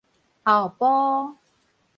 後埔